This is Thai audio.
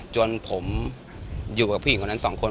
จนผมอยู่กับผู้หญิงคนนั้นสองคน